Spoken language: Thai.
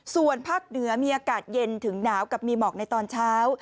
ส่วนภาคเหนือมีอากาศเย็นถึงหนาวกับมีหมอกในตอนเช้า